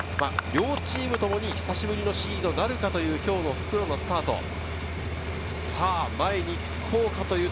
両チームともに久しぶりのシードなるかという今日の復路のスタート。